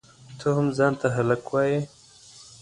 ته هم ځان ته هلک وایئ؟!